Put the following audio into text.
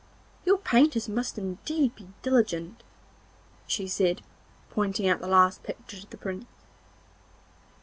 'Your painters must indeed be diligent,' she said, pointing out the last picture to the Prince.